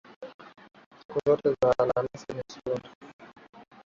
Siku zote za Alhamisi si nzuri